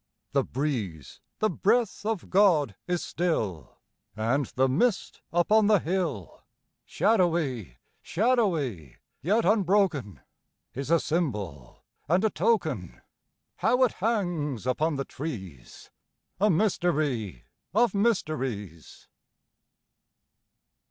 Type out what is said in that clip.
The breeze, the breath of God, is still, And the mist upon the hill Shadowy, shadowy, yet unbroken, 25 Is a symbol and a token. How it hangs upon the trees, A mystery of mysteries!